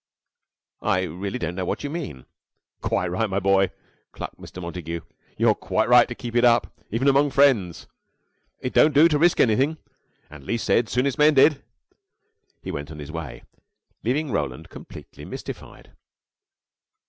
"I really don't know what you mean." "Quite right, my boy!" chuckled Mr. Montague. "You're quite right to keep it up, even among friends. It don't do to risk anything, and the least said soonest mended." He went on his way, leaving Roland completely mystified.